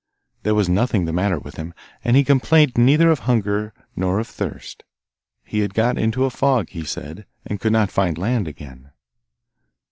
There was nothing the matter with him, and he complained neither of hunger or thirst. He had got into a fog, he said, and could not find land again.